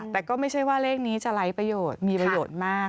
แต่ก็ไม่ใช่ว่าเลขนี้จะไร้ประโยชน์มีประโยชน์มาก